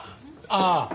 ああ。